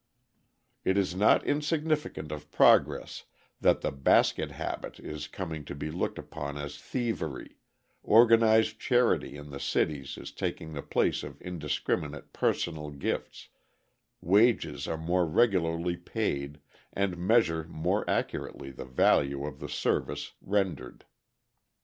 It is not insignificant of progress that the "basket habit" is coming to be looked upon as thievery, organised charity in the cities is taking the place of indiscriminate personal gifts, wages are more regularly paid and measure more accurately the value of the service rendered.